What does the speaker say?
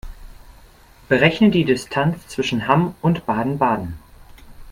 Berechne die Distanz zwischen Hamm und Baden-Baden